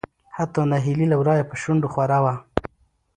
حتا نهيلي له ورايه په شنډو خوره وه .